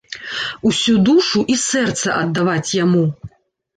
Усю душу і сэрца аддаваць яму.